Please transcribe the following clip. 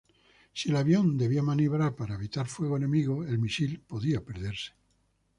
Si el avión debía maniobrar para evitar fuego enemigo, el misil podía perderse.